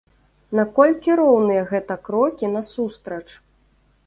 Наколькі роўныя гэта крокі насустрач?